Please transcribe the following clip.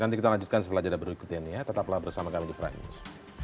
nanti kita lanjutkan setelah jadwal berikutnya tetaplah bersama kami di pranjus